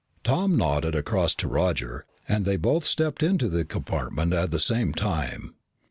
Tom nodded across to Roger and they both stepped into the compartment at the same time.